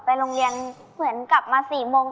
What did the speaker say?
โรงเรียนเหมือนกลับมา๔โมง